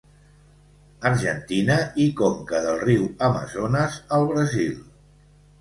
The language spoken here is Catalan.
Argentina i conca del riu Amazones al Brasil.